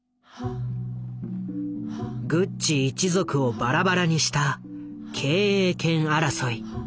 グッチ一族をバラバラにした経営権争い。